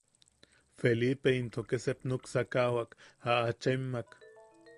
Felipe into ke sep nuksakawak a achaimak.